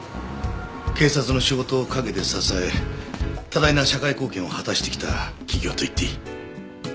警察の仕事を陰で支え多大な社会貢献を果たしてきた企業といっていい。